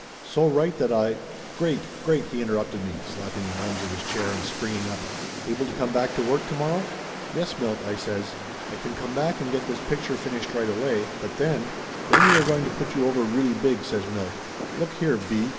So right that I " "Great, great !" he interrupted me, slapping the arms of his chair and springing up. "Able to come back to work to morrow?" "Yes, Milt," I says. "I can come back and get this picture finished right away, but then " "Then we are going to put you over really big !" says Milt. "Look nere, B.